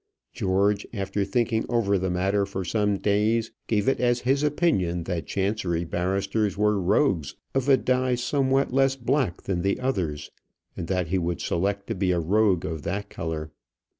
George, after thinking over the matter for some days, gave it as his opinion that Chancery barristers were rogues of a dye somewhat less black than the others, and that he would select to be a rogue of that colour.